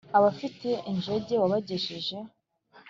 abafite injege wabajegeje